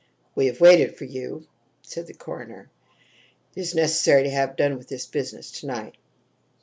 "We have waited for you," said the coroner. "It is necessary to have done with this business to night."